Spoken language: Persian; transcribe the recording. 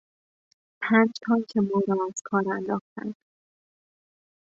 پنج تانک ما را از کار انداختند.